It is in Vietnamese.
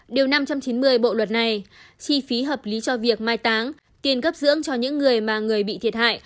điều năm trăm chín mươi bộ luật này chi phí hợp lý cho việc mai táng tiền cấp dưỡng cho những người mà người bị thiệt hại